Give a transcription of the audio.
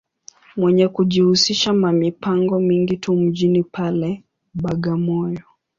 Mwenye kujihusisha ma mipango mingi tu mjini pale, Bagamoyo.